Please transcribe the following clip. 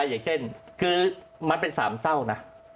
อย่างเช่นคือมันเป็นสามเศร้านะ